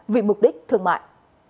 vì mục đích thương mại